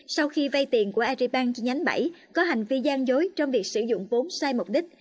sau khi vay tiền của aribank chi nhánh bảy có hành vi gian dối trong việc sử dụng vốn sai mục đích